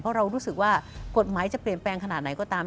เพราะเรารู้สึกว่ากฎหมายจะเปลี่ยนแปลงขนาดไหนก็ตาม